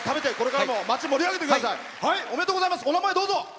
お名前どうぞ。